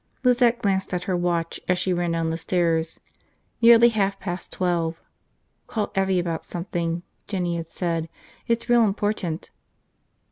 Lizette glanced at her watch as she ran down the stairs. Nearly half past twelve. Call Evvie about something, Jinny had said, it's real important.